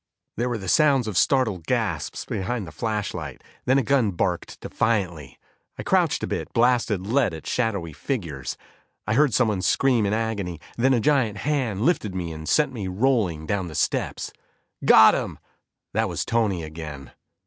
There were the sounds of startled gasps behind the flashlight, then a gun barked defiantly. I crouched a bit, blasted lead at shadowy figures. I heard someone scream in agony, then a giant hand lifted me and sent me rolling down the steps. "Got him!" That was Tony again.